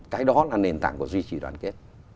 cái đó là nền tảng của duy trì đoàn kết